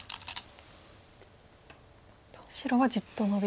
白はじっとノビですね。